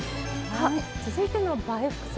続いての「“映え”副菜」。